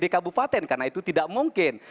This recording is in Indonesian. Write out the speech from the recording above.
karena itu tidak mungkin